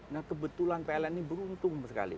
nah kebetulan pln ini beruntung sekali